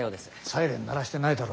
サイレン鳴らしてないだろうな。